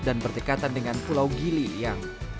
dan berdekatan dengan pulau giliyang